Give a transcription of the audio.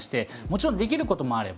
もちろんできることもあれば